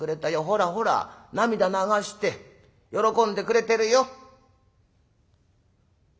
ほらほら涙流して喜んでくれてるよ」。